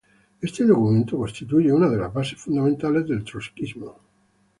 Este documento constituye una de las bases fundamentales del trotskismo.